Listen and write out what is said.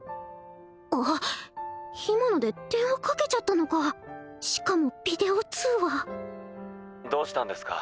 あっ今ので電話かけちゃったのかしかもビデオ通話どうしたんですか？